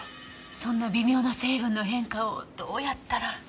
そんな微妙な成分の変化をどうやったら。